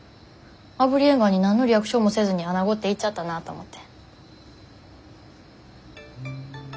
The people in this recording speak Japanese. あぶりエンガワに何のリアクションもせずにアナゴって言っちゃったなと思って。